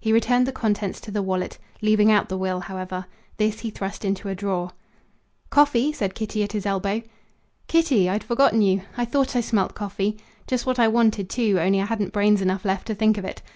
He returned the contents to the wallet, leaving out the will, however. This he thrust into a drawer. "Coffee?" said Kitty at his elbow. "Kitty? I'd forgotten you! I thought I smelt coffee. Just what I wanted, too, only I hadn't brains enough left to think of it.